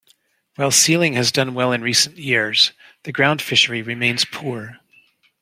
While sealing has done well in recent years, the groundfishery remains poor.